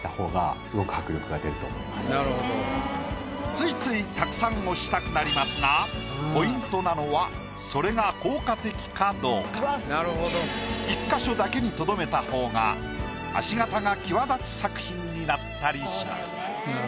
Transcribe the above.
ついついたくさん押したくなりますがポイントなのは１か所だけにとどめた方が足形が際立つ作品になったりします。